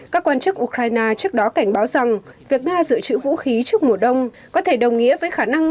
các quan chức ukraine trước đó cảnh báo rằng việc nga giữ chữ vũ khí trước mùa đông có thể đồng nghĩa với khả năng